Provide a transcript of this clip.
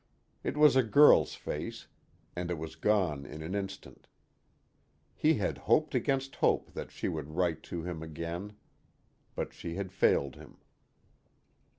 It was a girl's face, and it was gone in an instant. He had hoped against hope that she would write to him again. But she had failed him.